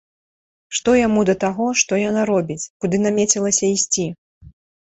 Што яму да таго, што яна робіць, куды намецілася ісці?